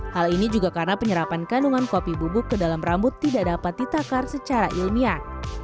hal ini juga karena penyerapan kandungan kopi bubuk ke dalam rambut tidak dapat ditakar secara ilmiah